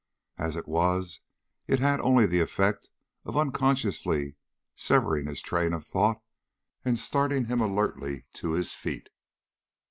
As it was, it had only the effect of unconsciously severing his train of thought and starting him alertly to his feet.